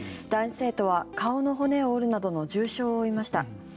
男子生徒は顔の骨を折るなどの重傷を負いました。